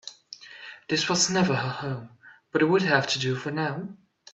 This was never her home, but it would have to do for now.